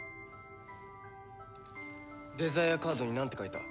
デザイアカードになんて書いた？